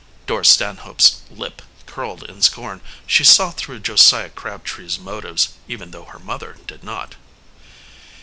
Dora Stanhope's lip curled in scorn. She saw through Josiah Crabtree's motives, even though her mother did not.